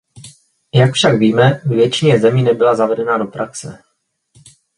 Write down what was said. Jak však víme, ve většině zemí nebyla zavedena do praxe.